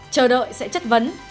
chờ đợi sẽ chất vấn